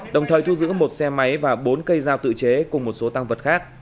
đồng thời thu giữ một xe máy và bốn cây dao tự chế cùng một số tăng vật khác